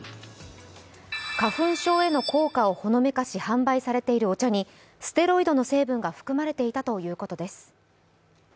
花粉症への効果をほのめかし販売されているお茶にステロイドの成分が含まれていたということです。